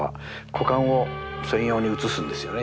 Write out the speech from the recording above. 股間を専用に写すんですよね